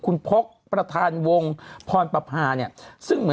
คุณโฟกประธานวงพรปภานะ